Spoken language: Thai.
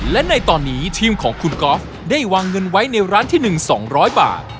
และในตอนนี้ทีมของคุณก๊อฟได้วางเงินไว้ในร้านที่๑๒๐๐บาท